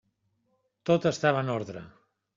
Tot estava en ordre.